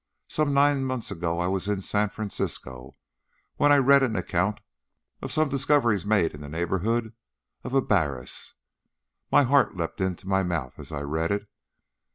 Some nine months ago I was in San Francisco, when I read an account of some discoveries made in the neighbourhood of Abaris. My heart leapt into my mouth as I read it.